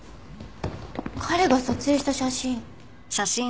彼が撮影した写真。